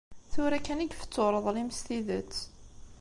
Tura kan i ifessu ureḍlim s tidet.